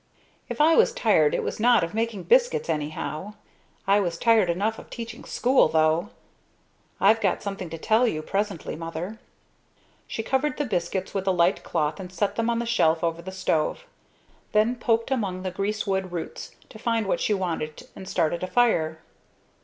"If I was tired it was not of making biscuits anyhow. I was tired enough of teaching school though. I've got something to tell you, presently, Mother." She covered the biscuits with a light cloth and set them on the shelf over the stove; then poked among the greasewood roots to find what she wanted and started a fire.